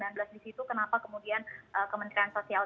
di situ kenapa kemudian kementerian sosial